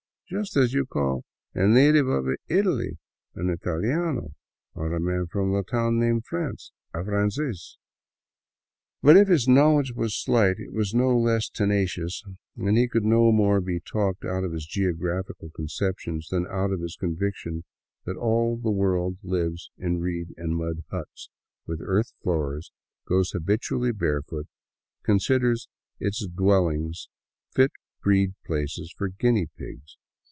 " Just as you call a native of Italy an italiano, or a man from the town named France a f ranees." But if his knowledge was slight, it was no less tenacious, and he could no more be talked out of his geographical conceptions than out of his conviction that all the world lives in reed and mud huts with earth floors, goes habitually barefoot, and considers its dwellings fit breed places for guinea pigs.